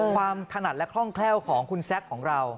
ถนัดและคล่องแคล่วของคุณแซคของเรา